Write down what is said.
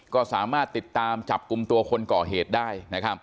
ก็สามารถติดตามจับกลุ่มตัวคนก่อเหตุได้